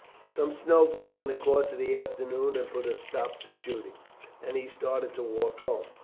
Some snow fell in the course of the afternoon and put a stop to shooting, and he started to walk home.